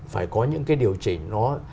phải có những cái điều chỉnh nó